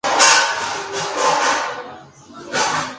Todas las canciones están dedicadas a "Bill W. y sus amigos".